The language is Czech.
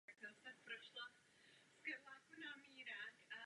Nejvyšších vodních stavů dosahuje v období letních záplav od června do srpna.